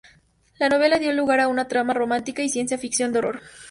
La novela dio lugar a una trama romántica y ciencia ficción de horror.